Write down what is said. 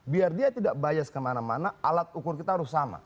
biar dia tidak bias kemana mana alat ukur kita harus sama